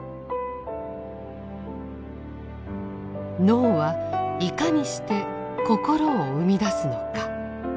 脳はいかにして心を生み出すのか。